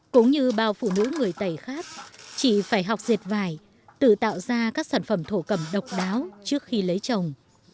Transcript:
cũng như bao phụ nữ người tây khác chị phải học dệt vải tự tạo ra các sản phẩm thổ cầm độc đáo trước khi lấy chồng